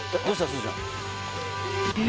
すずちゃん